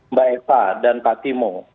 mbak eva dan pak timo